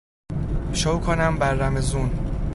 شو کنم بر رمضون